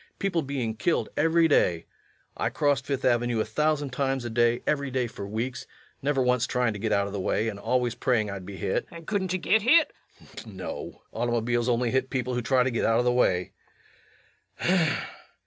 People being killed every day. I crossed Fifth Avenue a thousand times a day, every day for weeks, never once trying to get out of the way, and always praying I'd be hit. LUKE. And couldn't yu git hit? REVENUE. [In disgust.] No. Automobiles only hit people who try to get out of the way.